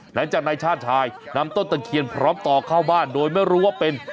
หลังจากนายชาติชายนำต้นตะเคียนพร้อมต่อเข้าบ้านโดยไม่รู้ว่าเป็น